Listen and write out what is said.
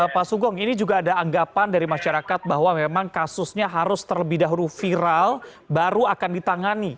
pak sugong ini juga ada anggapan dari masyarakat bahwa memang kasusnya harus terlebih dahulu viral baru akan ditangani